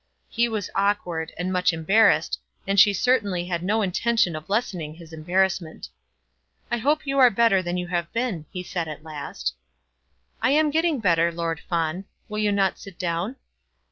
He was awkward, and much embarrassed, and she certainly had no intention of lessening his embarrassment. "I hope you are better than you have been," he said at last. "I am getting better, Lord Fawn. Will you not sit down?"